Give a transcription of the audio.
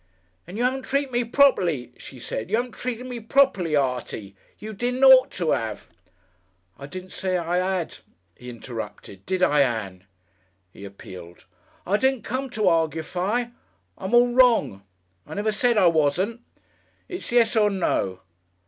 "And you 'aven't treated me properly," she said. "You 'aven't treated me properly, Artie. You didn't ought to 'ave " "I didn't say I 'ad," he interrupted, "did I, Ann?" he appealed. "I didn't come to arguefy. I'm all wrong. I never said I wasn't. It's yes or no.